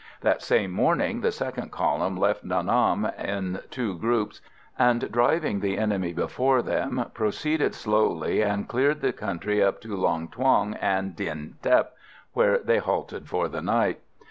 That same morning the second column left Nha Nam in two groups, and, driving the enemy before them, proceeded slowly and cleared the country up to Long Thuong and Dinh Tep, where they halted for the night.